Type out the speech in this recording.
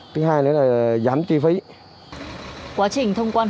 thứ hai nữa là giảm chi phí